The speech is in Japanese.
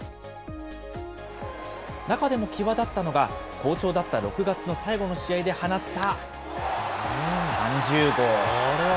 中でも際立ったのが、好調だった６月の最後の試合で放った３０号。